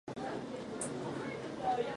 反抗期はありません